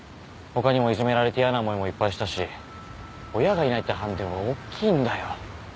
他にもいじめられて嫌な思いもいっぱいしたし親がいないってハンデはおっきいんだよ